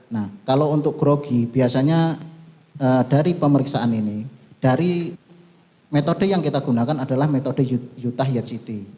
nah kalau untuk grogi biasanya dari pemeriksaan ini dari metode yang kita gunakan adalah metode yutah yad city